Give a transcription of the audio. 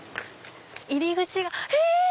入り口がえ